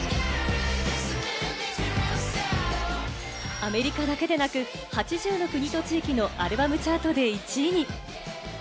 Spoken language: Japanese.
アメリカだけでなく８０の国と地域のアルバムチャートで１位に。